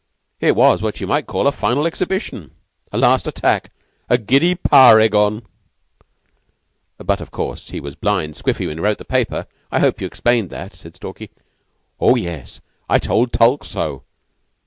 It was what you might call a final exhibition a last attack a giddy par ergon." "But o' course he was blind squiffy when he wrote the paper. I hope you explained that?" said Stalky. "Oh, yes. I told Tulke so.